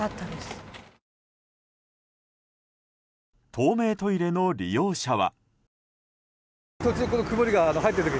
透明トイレの利用者は。